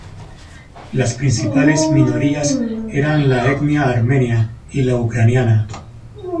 Las principales minorías eran la etnia armenia y la ucraniana.